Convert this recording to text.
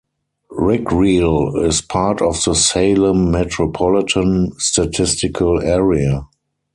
Rickreall is part of the Salem Metropolitan Statistical Area.